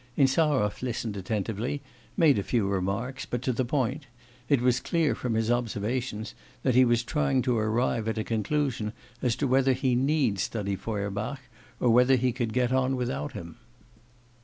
Insarov listened attentively, made few remarks, but to the point; it was clear from his observations that he was trying to arrive at a conclusion as to whether he need study Feuerbach, or whether he could get on without him.